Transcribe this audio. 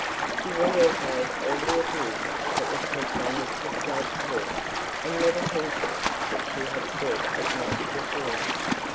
She re echoed all the abuse that was heaped on Mr Slope's head, and never hinted that she had said as much before.